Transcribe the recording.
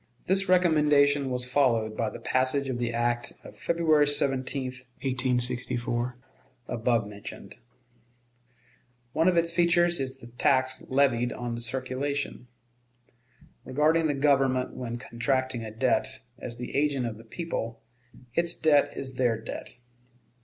This recommendation was followed by the passage of the act of February 17, 1864, above mentioned. One of its features is the tax levied on the circulation. Regarding the Government when contracting a debt as the agent of the people, its debt is their debt.